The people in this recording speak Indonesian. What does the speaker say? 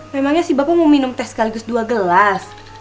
memangnya si bapak mau minum teh sekaligus dua gelas